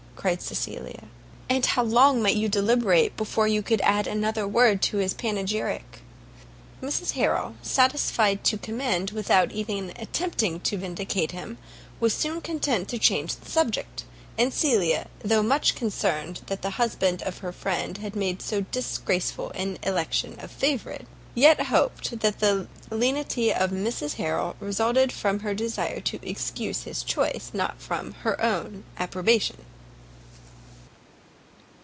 cried Cecilia; "and how long might you deliberate before you could add another word to his panegyric!" Mrs Harrel, satisfied to commend, without even attempting to vindicate him, was soon content to change the subject; and Cecilia, though much concerned that the husband of her friend had made so disgraceful an election of a favourite, yet hoped that the lenity of Mrs Harrel resulted from her desire to excuse his choice, not from her own approbation.